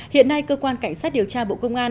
hiện nay cơ quan cảnh sát điều tra bộ công an